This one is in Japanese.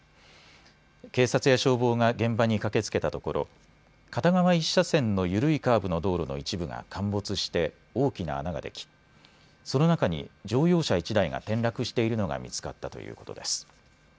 警察や消防が現場に駆けつけたところ片側１車線の緩いカーブの道路の一部が陥没して大きな穴ができその中に乗用車１台が転落しているのが見つかったということです。